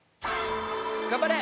頑張れ！